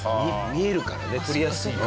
見えるからね取りやすいんだね。